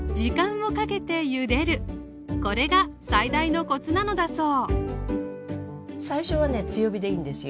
これが最大のコツなのだそう